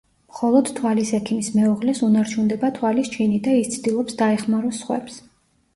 მხოლოდ თვალის ექიმის მეუღლეს უნარჩუნდება თვალის ჩინი და ის ცდილობს, დაეხმაროს სხვებს.